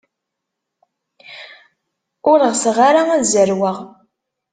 Ur ɣseɣ ara ad zerweɣ.